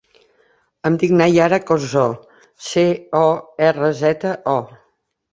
Em dic Nayara Corzo: ce, o, erra, zeta, o.